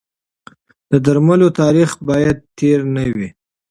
د درملو تاریخ باید تېر نه وي.